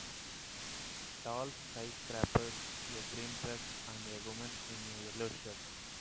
Tall skyscrapers, a green truck and a woman in a yellow shirt.